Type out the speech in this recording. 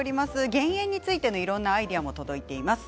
減塩についての、いろいろなアイデアも届いています。